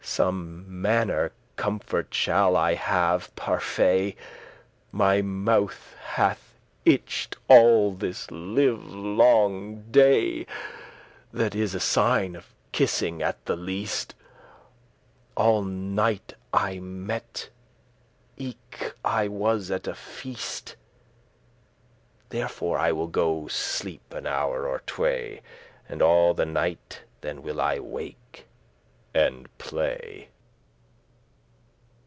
Some manner comfort shall I have, parfay*, *by my faith My mouth hath itched all this livelong day: That is a sign of kissing at the least. All night I mette* eke I was at a feast. *dreamt Therefore I will go sleep an hour or tway, And all the night then will I wake and play."